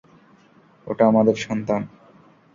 ওটা আমাদের সন্তান।